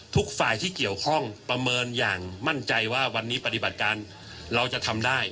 ทุกฝ่ายที่เกี่ยวข้องประเมินอย่างมั่นใจว่าวันนี้ปฏิบัติการเราจะทำได้